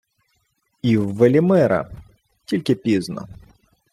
— І в Велімира... Тільки пізно...